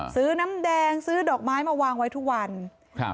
น้ำแดงซื้อดอกไม้มาวางไว้ทุกวันครับ